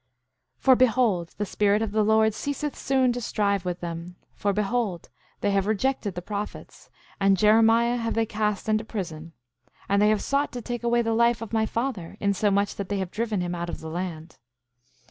7:14 For behold, the Spirit of the Lord ceaseth soon to strive with them; for behold, they have rejected the prophets, and Jeremiah have they cast into prison. And they have sought to take away the life of my father, insomuch that they have driven him out of the land.